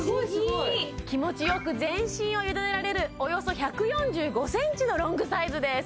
気持ちよく全身を委ねられるおよそ１４５ｃｍのロングサイズです